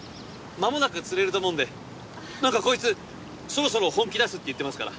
まもなく釣れると思うんでなんかこいつそろそろ本気出すって言ってますから。